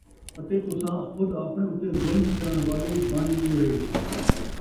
اَتے تُساں خود آپڑیں اُتے ظلم کرݨ والے بݨ ڳیو ہے ۔